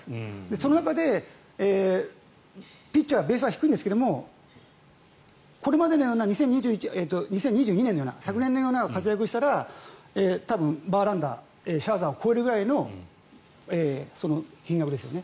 その中でピッチャーベースは低いんですがこれまでのような２０２２年のような昨年のような活躍をしたら多分バーランダー、シャーザーを超えるくらいの金額。